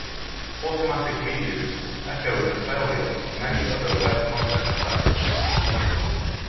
Automatic Media's echoed the failure of many other web content sites.